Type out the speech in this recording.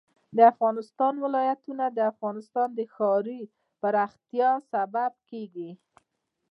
د افغانستان ولايتونه د افغانستان د ښاري پراختیا سبب کېږي.